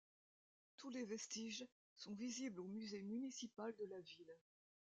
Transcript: Tous les vestiges sont visibles au Musée Municipal de la ville.